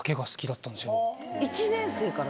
１年生から？